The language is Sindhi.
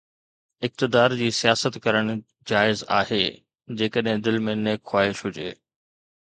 اقتدار جي سياست ڪرڻ جائز آهي، جيڪڏهن دل ۾ نيڪ خواهش هجي.